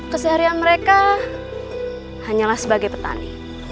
keseharian mereka hanyalah sebagai petani